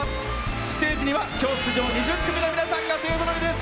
ステージには今日、出場２０組の皆さんが勢ぞろいです。